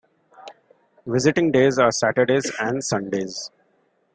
Visiting days are Saturdays and Sundays.